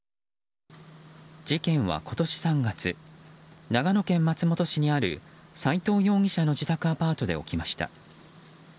事件は今年３月長野県松本市にある斉藤容疑者の自宅アパートで起きました。